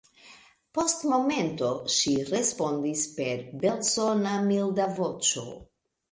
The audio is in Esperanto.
Post momento ŝi respondis per belsona, milda voĉo: